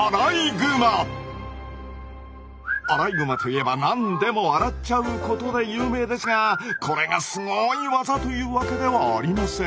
アライグマといえば何でも洗っちゃうことで有名ですがこれがすごい技というわけではありません。